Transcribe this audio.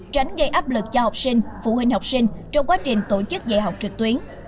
tránh gây áp lực cho học sinh phụ huynh học sinh trong quá trình tổ chức dạy học trực tuyến